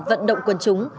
vận động quân chúng